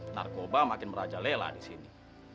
narkoba makin merajalela di sini